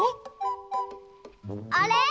あれ？